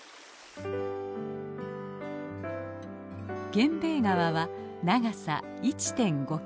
源兵衛川は長さ１．５キロほど。